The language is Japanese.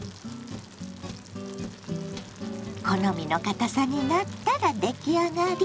好みのかたさになったら出来上がり。